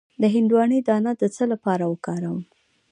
د هندواڼې دانه د څه لپاره وکاروم؟